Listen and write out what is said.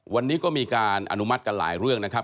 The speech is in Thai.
วันนี้ก็มีการอนุมัติกันหลายเรื่องนะครับ